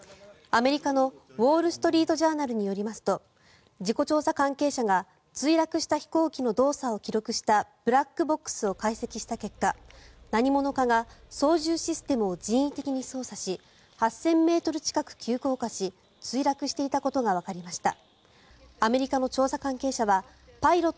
アメリカのウォール・ストリート・ジャーナルによりますと事故調査関係者が墜落した飛行機の動作を記録したブラックボックスを解析した結果何者かが操縦システムを人為的に操作し８０００ｍ近く急降下し墜落していたことがわかりました。